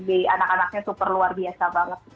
jadi anak anaknya super luar biasa banget